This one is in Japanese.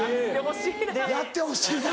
やってほしいな！